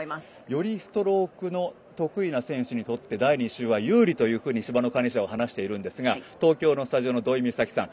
よりストロークの得意な選手にとって第２週は有利というふうに芝の管理者は話しているんですが東京のスタジオの土居美咲さん